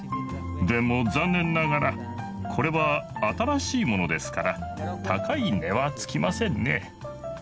でも残念ながらこれは新しいものですから高い値はつきませんね。